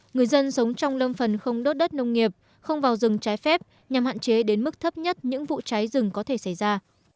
người dân sống trong lâm phần không đốt đất nông nghiệp không vào rừng trái phép nhằm hạn chế đến mức thấp nhất những vụ cháy rừng có thể xảy ra